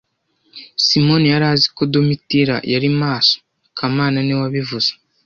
Simoni yari azi ko Domitira yari maso kamana niwe wabivuze